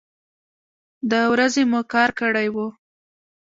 د ورځې مو کار کړی و.